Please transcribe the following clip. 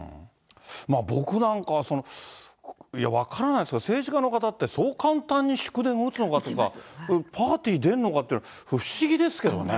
僕なんかは、いや、分からないですよ、政治家の方って、そう簡単に祝電打つのかとか、パーティー出んのかって、不思議ですけどね。